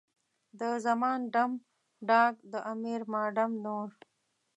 د زمان ډم، ډاګ، د امیر ما ډم نور.